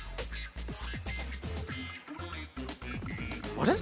あれ？